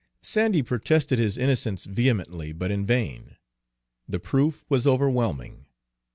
Sandy protested his innocence vehemently, but in vain. The proof was overwhelming.